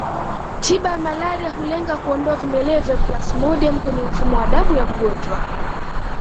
Tiba ya malaria hulenga kuondoa vimelea vya plasmodium kwenye mfumo wa damu ya mgonjwa